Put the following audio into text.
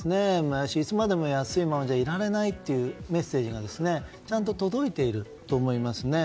もやし、いつまでも安いままじゃいられないというメッセージがちゃんと届いていると思いますね。